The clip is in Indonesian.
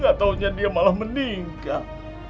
gak taunya dia malah meninggal